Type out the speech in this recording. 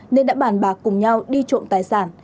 nên đã bàn bạc cùng nhau đi trộm tài sản